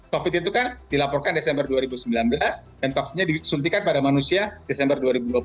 covid itu kan dilaporkan desember dua ribu sembilan belas dan vaksinnya disuntikan pada manusia desember dua ribu dua puluh